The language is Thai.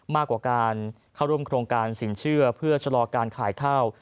มากกว่าการเข้าร่วมโครงการสินเชื่อเพื่อชะลอการขายข้าว